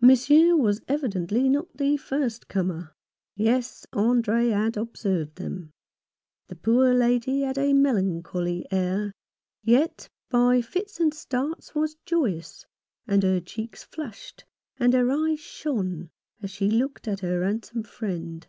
Monsieur was evidently not the first comer. Yes, Andre had observed them. The poor lady had a melancholy air, yet by fits and starts was joyous, and her cheeks flushed and her 132 yohn Faunces Experiences. No. 29. eyes shone as she looked at her handsome friend.